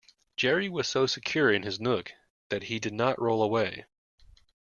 Jerry was so secure in his nook that he did not roll away.